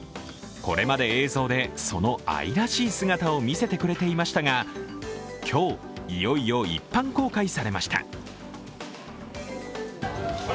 これまで映像でその愛らしい姿を見せてくれていましたが今日いよいよ一般公開されました。